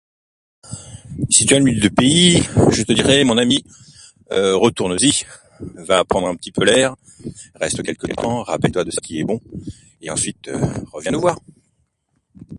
reviens nous voir